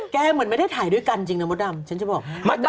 เหมือนไม่ได้ถ่ายด้วยกันจริงนะมดดำฉันจะบอก